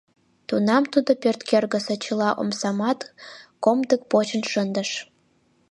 Тунам тудо пӧрткӧргысӧ чыла омсамат комдык почын шындыш.